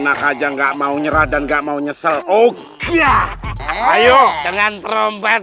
enak aja nggak mau nyerah dan nggak mau nyesel oh ya ayo dengan trompet